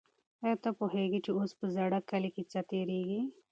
آیا ته پوهېږې چې اوس په زاړه کلي کې څه تېرېږي؟